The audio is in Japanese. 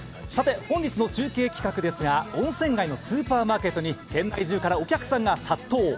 本日の中継企画ですが温泉街のスーパーマーケットに仙台中からお客さんが殺到。